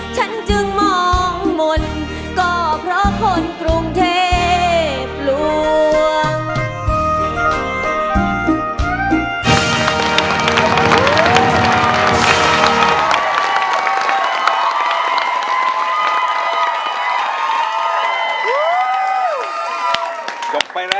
ฉันจึงมองมนต์ก็เพราะคนกรุงเทพลวง